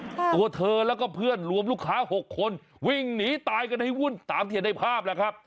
ตัวเธอแล้วก็เพื่อนรวมลูกค้าหกคนวิ่งหนีตายกันให้วุ่นตามที่เห็นในภาพแล้วครับ